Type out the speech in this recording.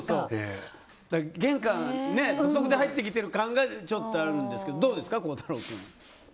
玄関、土足で入ってきてる感がちょっとあるんですけどどうですか？